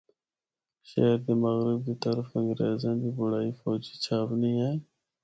شہر دے مغرب دی طرف انگریزاں دی بنڑائ فوجی چھاؤنی ہے۔